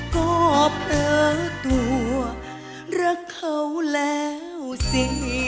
ชอบเตอร์ตัวรักเขาแล้วสิ